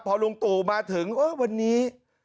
พอลุงตู่มาถึงวันนี้